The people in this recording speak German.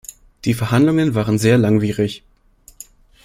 Die Verhandlungen waren sehr langwierig.